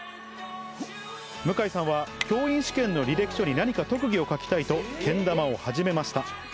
向井さんは教員試験の履歴書に何か特技を書きたいとけん玉を始めました。